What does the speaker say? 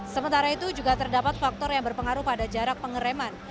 sementara itu juga terdapat faktor yang berpengaruh pada jarak pengereman